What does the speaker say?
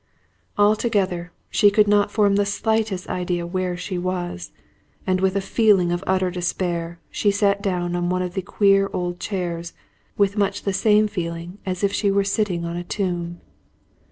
Altogether, she could not form the slightest idea where she was; and, with a feeling of utter despair, she sat down on one of the queer old chairs, with much the same feeling as if she were sitting in a tomb.